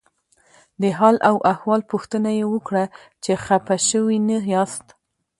د حال او احوال پوښتنه یې وکړه چې خپه شوي نه یاست.